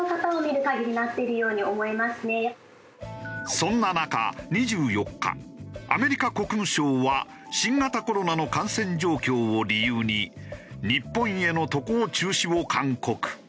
そんな中２４日アメリカ国務省は新型コロナの感染状況を理由に日本への渡航中止を勧告。